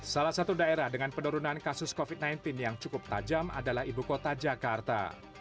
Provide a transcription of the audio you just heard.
salah satu daerah dengan penurunan kasus covid sembilan belas yang cukup tajam adalah ibu kota jakarta